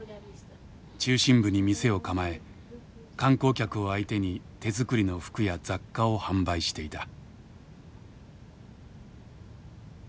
中心部に店を構え観光客を相手に手作りの服や雑貨を販売していた。